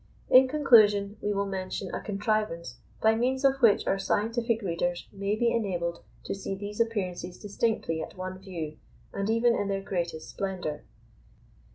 In conclusion, we will mention a contrivance by means of which our scientific readers may be enabled to see these appearances distinctly at one view, and even in their greatest splendour.